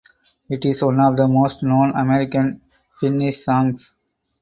It is one of the most known American Finnish songs.